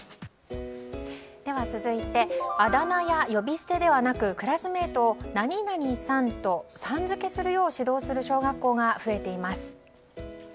続いて、あだ名や呼び捨てではなくクラスメートを何々さんと、さん付けするよう指導する小学校が増えています。